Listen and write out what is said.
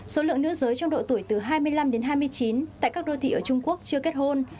số lượng nữ giới trong độ tuổi từ hai mươi năm đến hai mươi chín tại các đô thị ở trung quốc chưa kết hôn